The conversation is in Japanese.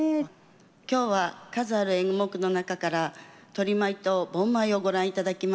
今日は数ある演目の中から「鶏舞」と「盆舞」をご覧頂きました。